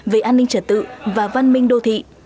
về an ninh trật tự và văn minh đô thị